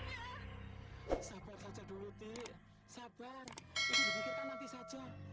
aku akan mencari pilihan wang